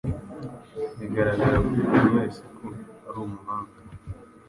Biragaragara kuri buri wese ko ari umuhanga.